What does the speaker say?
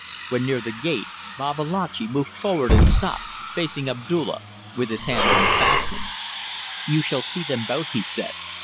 When near the gate Babalatchi moved forward and stopped, facing Abdulla, with his hand on the fastenings. "You shall see them both," he said.